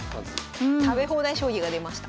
食べ放題将棋が出ました。